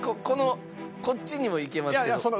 このこっちにもいけますけど。